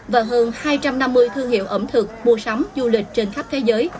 và hơn hai trăm năm mươi thương hiệu ẩm thực mua sắm du lịch trên khắp thế giới